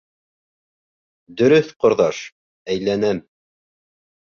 Дөрөҫ, ҡорҙаш, әйләнәм.